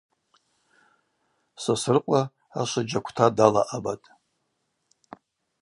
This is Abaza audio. Сосрыкъва ашвыджь аквта далаъабатӏ.